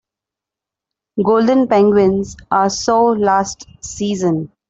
Golden penguins are so last season.